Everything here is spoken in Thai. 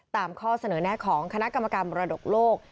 ข้อเสนอแน่ของคณะกรรมการมรดกโลก